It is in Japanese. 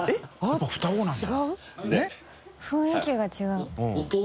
雰囲気が違う。